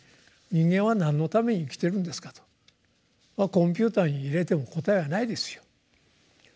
「人間は何のために生きているんですか」と。コンピューターに入れても答えはないですよ。